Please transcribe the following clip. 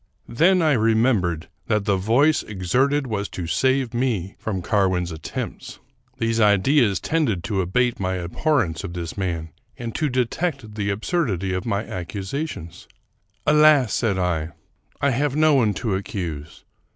Then I remembered that the voice exerted was to save me from Carwin's attempts. These ideas tended to abate my abhorrence of this man, and to detect the absurdity of my accusations. " Alas !" said I, " I have no one to accuse.